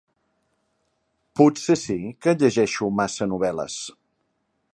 Potser sí que llegeixo massa novel·les.